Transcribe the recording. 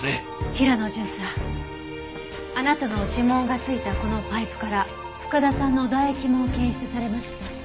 平野巡査あなたの指紋が付いたこのパイプから深田さんの唾液も検出されました。